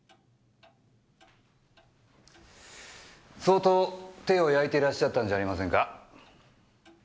相当手を焼いていらっしゃったんじゃありませんか？